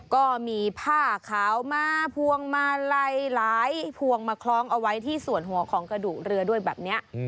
ก็มีผ้าขาวมาพวงมาลัยหลายพวงมาคล้องเอาไว้ที่ส่วนหัวของกระดูกเรือด้วยแบบนี้